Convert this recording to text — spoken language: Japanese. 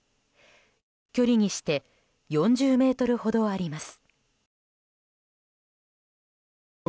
距離にして４０ｍほどあります。